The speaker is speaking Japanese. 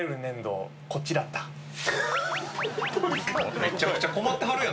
めちゃくちゃ困ってはるやん。